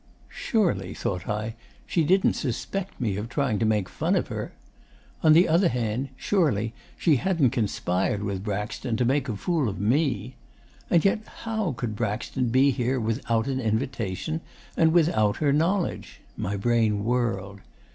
'Surely, thought I, she didn't suspect me of trying to make fun of her? On the other hand, surely she hadn't conspired with Braxton to make a fool of ME? And yet, how could Braxton be here without an invitation, and without her knowledge? My brain whirled.